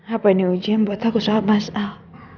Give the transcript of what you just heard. apa ini ujian buat aku sama mas al